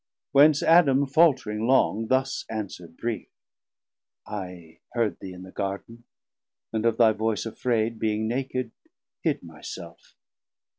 Whence Adam faultring long, thus answer'd brief. I heard thee in the Garden, and of thy voice Affraid, being naked, hid my self.